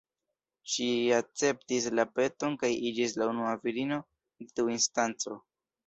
Ŝi akceptis la peton kaj iĝis la unua virino de tiu instanco.